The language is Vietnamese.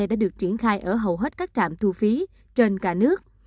đã được triển khai ở hầu hết các trạm thu phí trên cả nước